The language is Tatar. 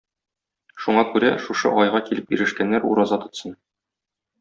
Шуңа күрә, шушы айга килеп ирешкәннәр ураза тотсын.